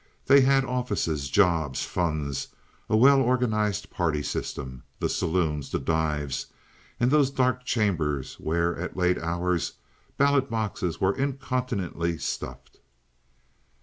They had offices, jobs, funds, a well organized party system, the saloons, the dives, and those dark chambers where at late hours ballot boxes are incontinently stuffed.